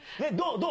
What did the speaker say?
どう？